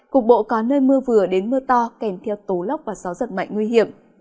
cục bộ có nơi mưa vừa đến mưa to kèm theo tố lóc và gió rất mạnh nguy hiểm